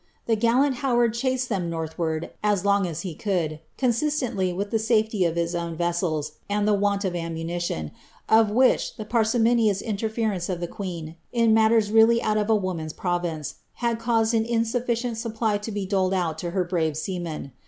The gallant Ilouard chased them northward as long as he could, consistently with llie sat'ciy of his own vessels and the want of ammunition, of which the parsi monious interference of the queen, in matters really out of a woniaii'^ province, had caused an insufficient suppSv to be doled out lo her bravt seamen.